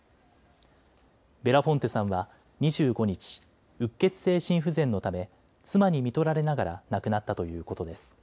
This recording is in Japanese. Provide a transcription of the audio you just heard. ベラフォンテさんは２５日、うっ血性心不全のため妻にみとられながら亡くなったということです。